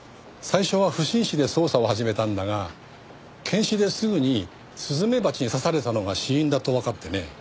最初は不審死で捜査を始めたんだが検視ですぐにスズメバチに刺されたのが死因だとわかってね。